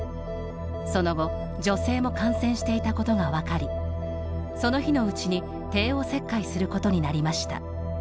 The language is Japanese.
その後、女性も感染していたことがわかりその日のうちに帝王切開することになりました。